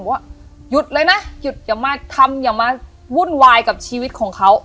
ว่าหยุดเลยนะหยุดอย่ามาทำอย่ามาวุ่นวายกับชีวิตของเขา